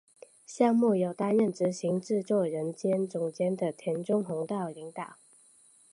项目由担任执行制作人兼总监的田中弘道领导。